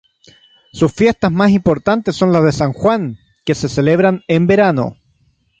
Sus fiestas más importantes son las de San Juan, que se celebran en verano.